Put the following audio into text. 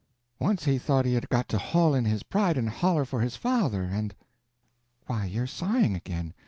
Once he thought he had got to haul in his pride and holler for his father and—why, you're sighing again.